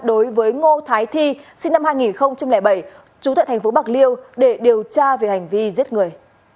đối với ngô thái thi sinh năm hai nghìn bảy trú tại thành phố bạc liêu để điều tra về hành vi giết người